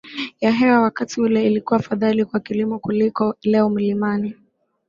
ya hewa wakati ule ilikuwa afadhali kwa kilimo kuliko leo Milima